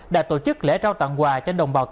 đã tổ chức lễ trao tặng quà cho đồng bào tp hcm